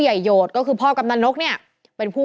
แฮปปี้เบิร์สเจทู